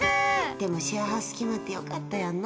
でもシェアハウス決まって良かったやんな。